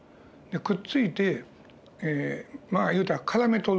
くっついてまあいうたらからめ捕る。